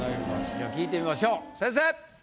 じゃあ聞いてみましょう先生！